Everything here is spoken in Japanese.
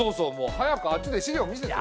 早くあっちで資料見せてよ。